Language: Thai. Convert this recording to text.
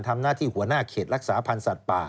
ทำหน้าที่หัวหน้าเขตรักษาพันธุ์สัตว์ป่า